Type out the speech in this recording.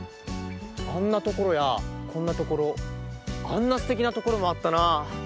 あんなところやこんなところあんなすてきなところもあったなあ！